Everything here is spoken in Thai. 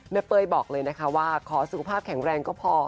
เป้ยบอกเลยนะคะว่าขอสุขภาพแข็งแรงก็พอ